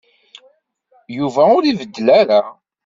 Yuba ur ibeddel ara.